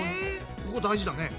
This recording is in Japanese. ここ大事だね。